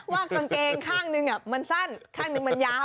ว่ากางเกงข้างนึงมันสั้นข้างหนึ่งมันยาว